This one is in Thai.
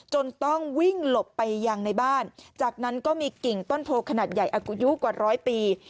ต้องวิ่งหลบไปยังในบ้านจากนั้นก็มีกิ่งต้นโพขนาดใหญ่อายุกว่าร้อยปี